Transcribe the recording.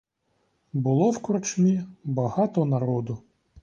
Було в корчмі багато народу.